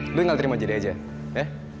gue tinggal terima jadi aja ya